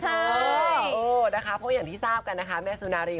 เพราะอย่างที่ทราบกันนะค่ะแม่สุนารีย์